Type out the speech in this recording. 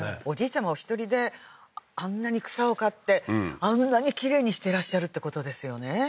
おじいちゃんもお一人であんなに草を刈ってあんなにきれいにしてらっしゃるってことですよね